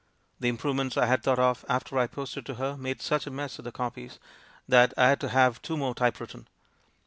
The improvements I had thought of after I posted to her made such a mess of the copies that I had to have two more typewritten.